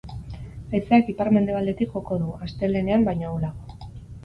Haizeak ipar-mendebaldetik joko du, astelehenean baino ahulago.